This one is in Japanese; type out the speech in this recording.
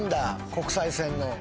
国際線の。